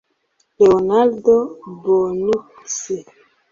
Leonardo Bonucci